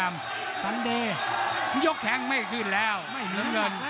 มันมีมันมือกแล้วต่อยเตะ